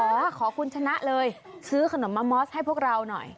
ขอขอคุณชนะเลยซื้อขนมมามอสให้พวกเราหน่อย